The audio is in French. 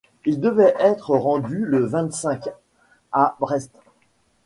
Il devait être rendu le vingt-cinq à Brest.